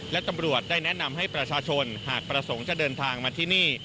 และตำรวจได้แนะนำให้ประชาชนหากประสงค์จะเดินทางมาที่นี่